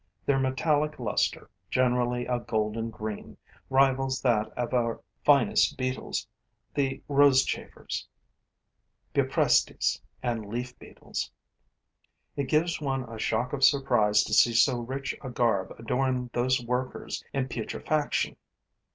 Their metallic luster, generally a golden green, rivals that of our finest beetles, the Rosechafers, Buprestes and leaf beetles. It gives one a shock of surprise to see so rich a garb adorn those workers in putrefaction.